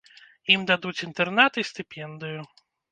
Ім дадуць інтэрнат і стыпендыю.